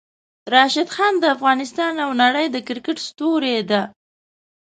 راشد خان د افغانستان او د نړۍ د کرکټ ستوری ده!